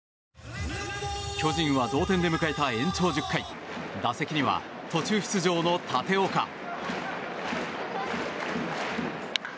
巨人は同点で迎えた延長１０回打席には、途中出場の立岡。